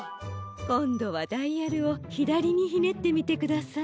こんどはダイヤルをひだりにひねってみてください。